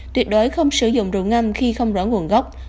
tuyệt đối không sử dụng rượu ngâm khi không rõ nguồn gốc